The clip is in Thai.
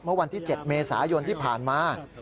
เมื่อวันที่๗เมษายนที่ผ่านมา